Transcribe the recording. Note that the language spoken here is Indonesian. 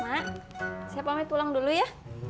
mak siap amat pulang dulu ya